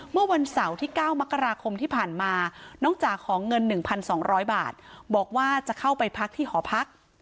เมื่อวันเสาร์ที่๙มกราคมที่ผ่านมาน้องจ๋าขอเงิน๑๒๐๐บาทบอกว่าจะเข้าไปพักที่หอพัก